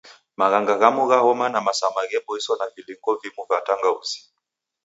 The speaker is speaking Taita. Maghanga gha homa na masama gheboiswa na vilungo vimu va tangauzi.